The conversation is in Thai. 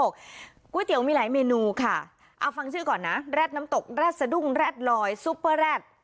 ก๋วยเตี๋ยวมีหลายเมนูค่ะเอาฟังชื่อก่อนนะแรดน้ำตกแรดสะดุ้งแรดลอยซุปเปอร์แรด